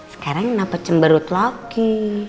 sekarang kenapa cemberut lagi